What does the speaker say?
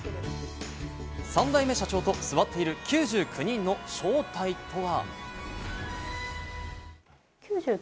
３代目社長と座っている９９人の正体とは？